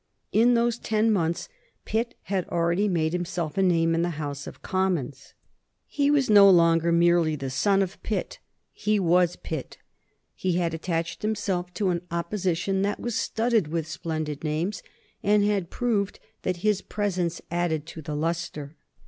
In those ten months Pitt had already made himself a name in the House of Commons. He was no longer merely the son of Pitt; he was Pitt. He had attached himself to an Opposition that was studded with splendid names, and had proved that his presence added to its lustre.